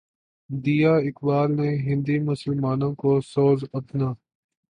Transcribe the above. دیا اقبالؔ نے ہندی مسلمانوں کو سوز اپنا